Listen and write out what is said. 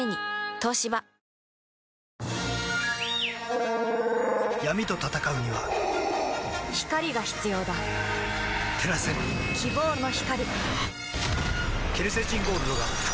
東芝闇と闘うには光が必要だ照らせ希望の光